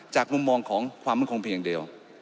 จากมุมมองของความมั่งคงเพียงเดียว